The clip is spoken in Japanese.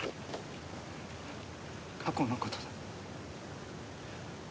過去のことだ。